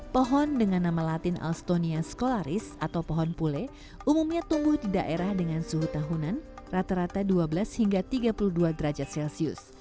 pohon dengan nama latin alstonia skolaris atau pohon pule umumnya tumbuh di daerah dengan suhu tahunan rata rata dua belas hingga tiga puluh dua derajat celcius